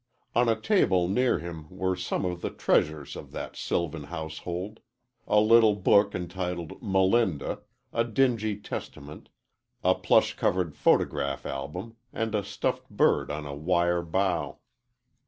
On a table near him were some of the treasures of that sylvan household a little book entitled Melinda, a dingy Testament, a plush covered photograph album, and a stuffed bird on a wire bough.